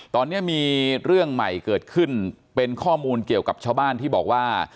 ตอนนี้มีเรื่องใหม่เกิดขึ้นเป็นข้อมูลเกี่ยวกับชาวบ้านที่บอกว่า